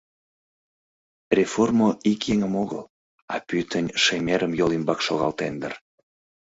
Реформо ик еҥым огыл, а пӱтынь шемерым йол ӱмбак шогалтен дыр.